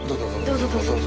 どうぞどうぞ。